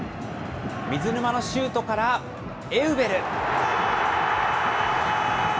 水沼のシュートから、エウベル。